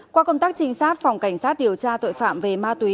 qua công tác trinh sát phòng cảnh sát điều tra tội phạm về ma túy